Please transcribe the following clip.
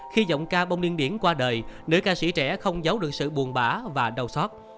khi giọng ca bông niên biển qua đời nữ ca sĩ trẻ không giấu được sự buồn bã và đau xót